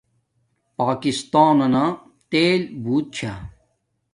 پاکستانانا تیل بوت چھا